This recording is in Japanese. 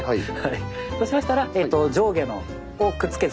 そうしましたら上下をくっつける。